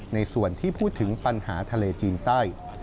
ในส่วนที่พูดถึงปัญหาทะเลจีนใต้